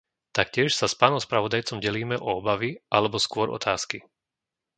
Taktiež sa s pánom spravodajcom delíme o obavy alebo skôr otázky.